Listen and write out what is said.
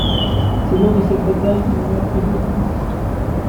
C'est lors de cette bataille qu'il meurt héroïquement.